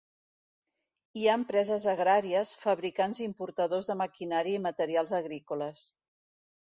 Hi ha empreses agràries, fabricants i importadors de maquinària i materials agrícoles.